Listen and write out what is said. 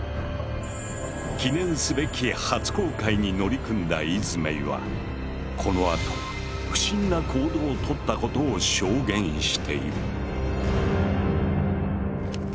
記念すべき初航海に乗り組んだイズメイはこのあと不審な行動を取ったことを証言している。